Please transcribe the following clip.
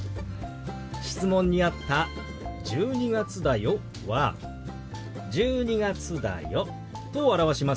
質問にあった「１２月だよ」は「１２月だよ」と表しますよ。